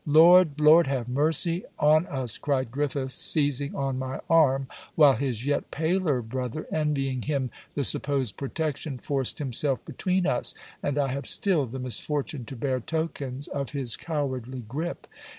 'Lord, Lord have mercy on us!' cried Griffiths, seizing on my arm; while his yet paler brother, envying him the supposed protection, forced himself between us, and I have still the misfortune to bear tokens of his cowardly gripe.